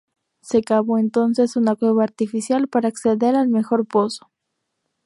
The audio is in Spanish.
Se cavó entonces una cueva artificial para acceder mejor al pozo.